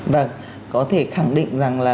vâng có thể khẳng định rằng là